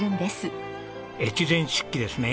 越前漆器ですね。